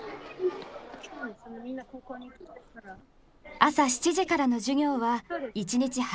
朝７時からの授業は１日８コマ。